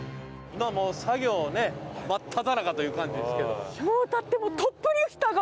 今もう作業ね真っただ中という感じですけど。